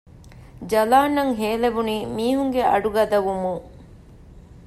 ޖަލާން އަށް ހޭލެވުނީ މީހުންގެ އަޑު ގަދަވުމުން